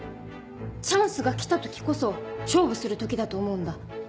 チャンスが来た時こそ勝負する時だと思うんだ。